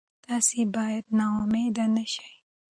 تاسي باید نا امیده نه شئ.